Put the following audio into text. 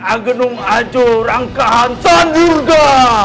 agenum ajur angkahan tanburga